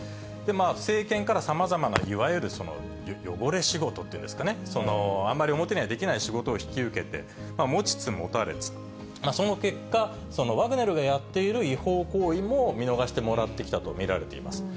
政権からさまざまな、いわゆる汚れ仕事っていうんですかね、あんまり表にはできない仕事を引き受けて持ちつ持たれつ、その結果、ワグネルがやっている違法行為も見逃してもらってきたと見られています。